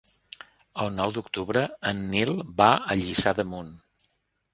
El nou d'octubre en Nil va a Lliçà d'Amunt.